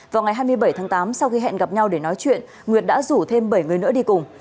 vào ngày hai mươi bảy tháng tám sau khi hẹn gặp nhau để nói chuyện nguyệt đã rủ thêm bảy người nữa đi cùng